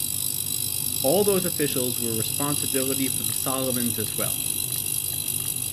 All those officials were responsibility for the Solomons as well.